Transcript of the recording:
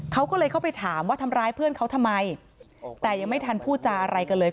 เขาก็เลยเข้าไปถามว่าทำร้ายเพื่อนเขาทำไมแต่ยังไม่ทันพูดจาอะไรกันเลย